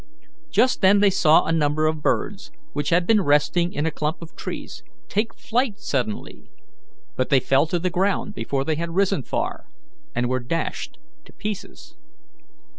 Just then they saw a number of birds, which had been resting in a clump of trees, take flight suddenly; but they fell to the ground before they had risen far, and were dashed to pieces.